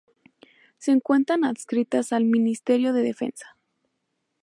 Se encuentran adscritas al Ministerio de Defensa.